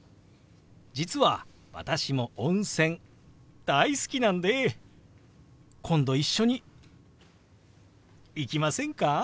実は私も温泉大好きなんで今度一緒に行きませんか？